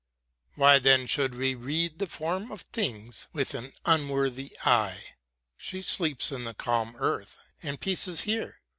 Why then should we read The forms of things with an unworthy eye ? She sleeps in the calm earth, and peace is here.